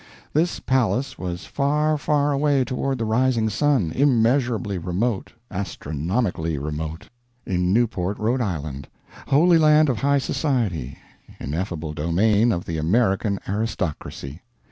This palace was far, far away toward the rising sun, immeasurably remote, astronomically remote, in Newport, Rhode Island, Holy Land of High Society, ineffable Domain of the American Aristocracy.